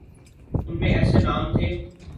ان میں ایسے نام تھے۔